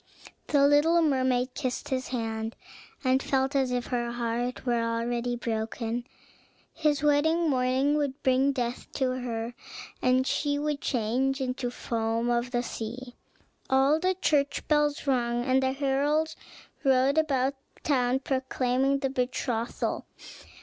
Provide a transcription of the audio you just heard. The little mermaid kissed his hand, and felt as if her heart were already broken. His wedding morning would bring death to her, and she would change into the foam of the sea. All the church bells rung, and the heralds rode about the town proclaiming the betrothal.